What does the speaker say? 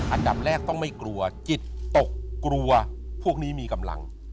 อันดับแรกต้องไม่กลัวจิตตกกลัวพวกนี้มีกำลัง